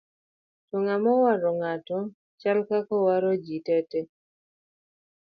to ng'ama owaro ng'ato chal kaka owaro ji te te